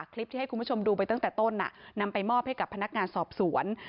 คลิปที่ให้คุณผู้ชมดูไปตั้งแต่ต้นนำไปมอบให้กับพนักงานสอบสวน